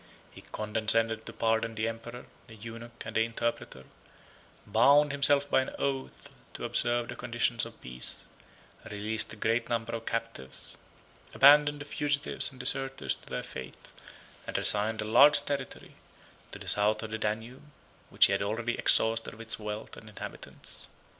He condescended to pardon the emperor, the eunuch, and the interpreter; bound himself by an oath to observe the conditions of peace; released a great number of captives; abandoned the fugitives and deserters to their fate; and resigned a large territory, to the south of the Danube, which he had already exhausted of its wealth and inhabitants.